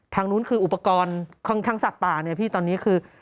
ทางนู้นคืออุปกรณ์ของทางสัตว์ป่าเนี่ยพี่ตอนนี้คือ